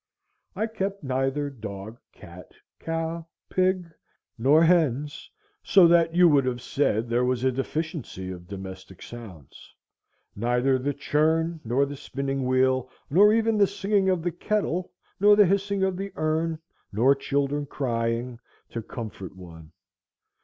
I kept neither dog, cat, cow, pig, nor hens, so that you would have said there was a deficiency of domestic sounds; neither the churn, nor the spinning wheel, nor even the singing of the kettle, nor the hissing of the urn, nor children crying, to comfort one.